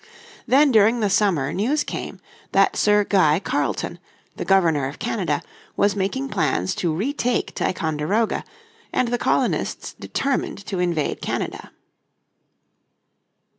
Then during the summer news came that Sir Guy Carleton, the Governor of Canada, was making plans to retake Ticonderoga, and the colonists determined to invade Canada.